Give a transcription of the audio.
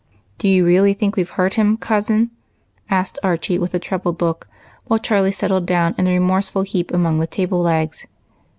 " Do you really think we 've hurt him, cousin ?" asked Archie, with a troubled look, while Charlie settled down in a remorseful heap among the table legs.